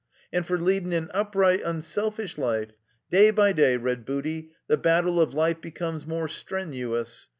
*''And fer leadin' an upright, unselfish life. Day by day,'*' read Booty, "'the battle of life becomes more strenuous.